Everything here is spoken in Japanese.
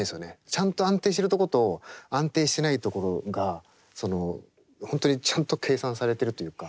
ちゃんと安定しているとこと安定してないところがその本当にちゃんと計算されてるというか。